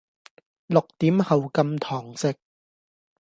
六點後禁堂食